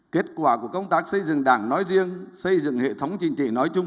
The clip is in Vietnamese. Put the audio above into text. kết quả của công tác xây dựng đảng nói riêng xây dựng hệ thống chính trị nói chung